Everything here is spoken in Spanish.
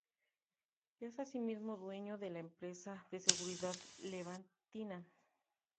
Es asimismo dueño de la empresa de seguridad "Levantina".